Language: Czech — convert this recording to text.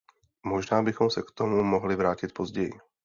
Možná bychom se k tomu mohli vrátit později.